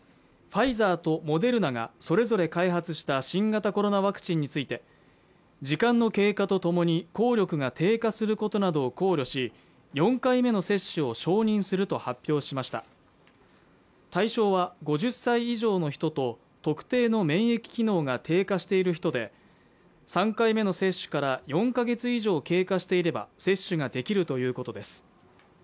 ファイザーとモデルナがそれぞれ開発した新型コロナワクチンについて時間の経過とともに効力が低下することなどを考慮し４回目の接種を承認すると発表しました対象は５０歳以上の人と特定の免疫機能が低下している人で３回目の接種から４か月以上経過していれば接種ができるということです